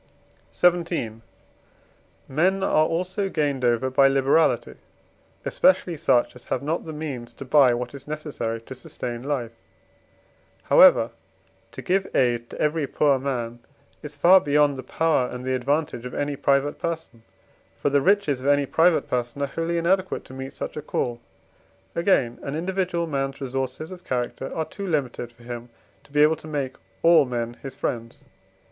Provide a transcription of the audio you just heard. XVII. Men are also gained over by liberality, especially such as have not the means to buy what is necessary to sustain life. However, to give aid to every poor man is far beyond the power and the advantage of any private person. For the riches of any private person are wholly inadequate to meet such a call. Again, an individual man's resources of character are too limited for him to be able to make all men his friends.